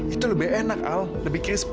itu lebih enak al lebih crispy